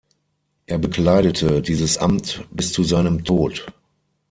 Er bekleidete dieses Amt bis zu seinem Tod.